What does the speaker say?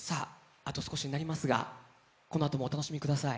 あと少しになりますがこのあともお楽しみください